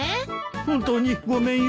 本当にごめんよ。